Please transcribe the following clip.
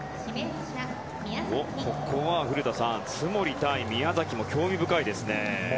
ここは古田さん津森対宮崎も興味深いですね。